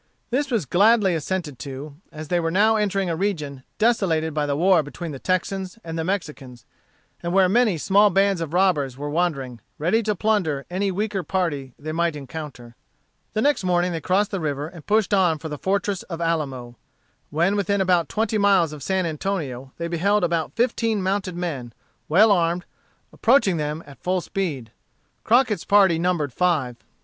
This was gladly assented to, as they were now entering a region desolated by the war between the Texans and the Mexicans, and where many small bands of robbers were wandering, ready to plunder any weaker party they might encounter. The next morning they crossed the river and pushed on for the fortress of Alamo. When within about twenty miles of San Antonio, they beheld about fifteen mounted men, well armed, approaching them at full speed. Crockett's party numbered five.